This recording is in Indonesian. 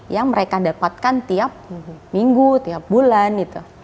yang mereka dapatkan tiap minggu tiap bulan gitu